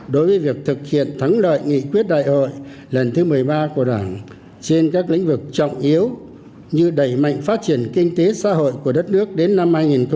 đối với việc thực hiện thắng lợi nghị quyết đại hội lần thứ một mươi ba của đảng trên các lĩnh vực trọng yếu như đẩy mạnh phát triển kinh tế xã hội của đất nước đến năm hai nghìn ba mươi